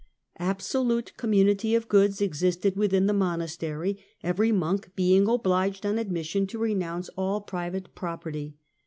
Absolute community of goods existed within the monastery, every monk being obliged, on admission, to renounce all private property.